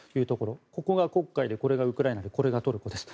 ここが黒海でこれがウクライナでこれがトルコです。